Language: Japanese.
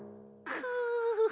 くう！